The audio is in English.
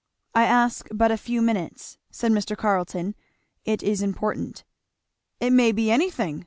"I ask but a few minutes," said Mr. Carleton. "It is important." "It may be any thing!"